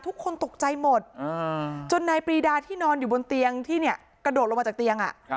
ทุกคนตกใจหมดจนนายปรีดาที่นอนอยู่บนเตียงที่เนี่ยกระโดดลงมาจากเตียง